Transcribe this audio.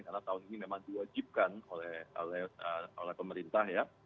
karena tahun ini memang diwajibkan oleh pemerintah ya